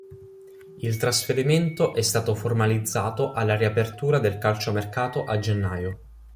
Il trasferimento è stato formalizzato alla riapertura del calciomercato a gennaio.